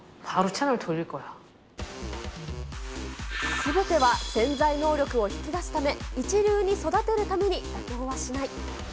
すべては潜在能力を引き出すため、一流に育てるために妥協はしない。